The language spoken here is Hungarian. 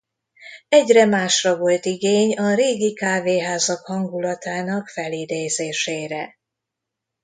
Egyre másra volt igény a régi kávéházak hangulatának felidézésére.